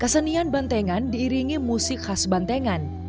kesenian bantengan diiringi musik khas bantengan